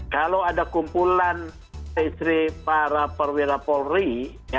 kalau ada kumpulan istri para perwira polri